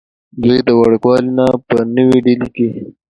دوي د وړوکوالي نه پۀ نوي ډيلي کښې